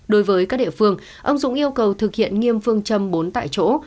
đối với các địa phương ông dũng yêu cầu thực hiện nghiêm phương châm bốn tại chỗ